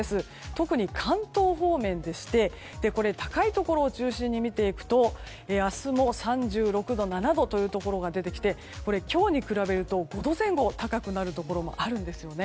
特に関東方面でして高いところを中心に見ていくと明日も３６度、３７度というところが出てきて今日に比べると５度前後高くなるところもあるんですね。